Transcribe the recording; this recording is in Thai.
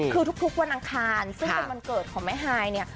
คือทุกวันอังคารซึ่งเป็นวันเกิดของแม่ฮายเนี่ย